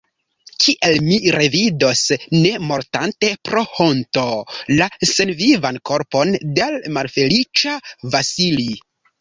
Kiel mi revidos, ne mortante pro honto, la senvivan korpon de l' malfeliĉa Vasili?